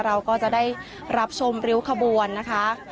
เราก็จะได้รับชมริ้วขบวนนะคะ